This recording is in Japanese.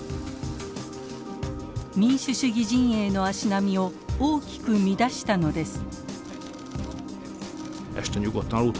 民主主義陣営の足並みを大きく乱したのです。